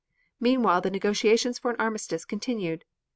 Meanwhile the negotiations for an armistice continued.